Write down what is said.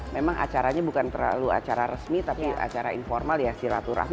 memang acaranya bukan terlalu acara resmi tapi acara informal ya silaturahmi